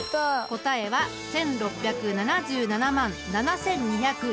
答えは１，６７７万７，２１６色。